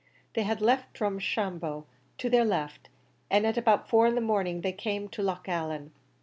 They left Drumshambo to their left, and at about four in the morning they came to Loch Allen.